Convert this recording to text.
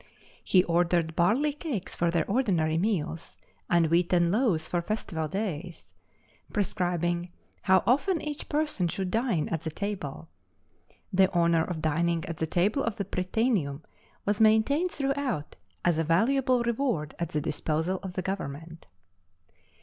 He ordered barley cakes for their ordinary meals, and wheaten loaves for festival days, prescribing how often each person should dine at the table. The honor of dining at the table of the Prytaneum was maintained throughout as a valuable reward at the disposal of the government.